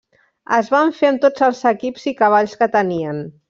Es van fer amb tots els equips i cavalls que tenien.